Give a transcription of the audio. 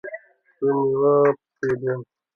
زه میوه پیرم